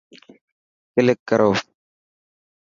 ڪلڪ ڪرو.